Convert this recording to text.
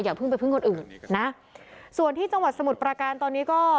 เพิ่งไปพึ่งคนอื่นนะส่วนที่จังหวัดสมุทรประการตอนนี้ก็